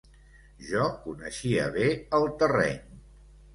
Jo coneixia bé el terreny